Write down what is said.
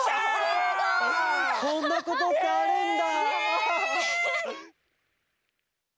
すごい！こんなことってあるんだ。